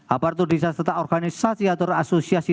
apartur desa serta organisasi atau asosiasi